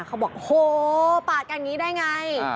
เขาบอกโหปาดกันอย่างนี้ได้ไง